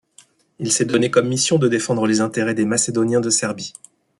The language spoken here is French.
Il s'est donné comme mission de défendre les intérêts des Macédoniens de Serbie.